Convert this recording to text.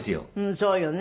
そうよね。